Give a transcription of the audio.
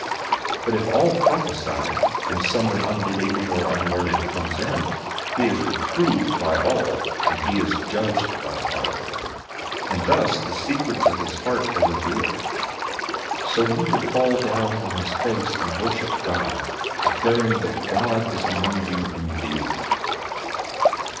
014:024 But if all prophesy, and someone unbelieving or unlearned comes in, he is reproved by all, and he is judged by all. 014:025 And thus the secrets of his heart are revealed. So he will fall down on his face and worship God, declaring that God is among you indeed.